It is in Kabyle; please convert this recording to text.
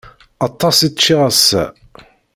Aṭas i ččiɣ ass-a.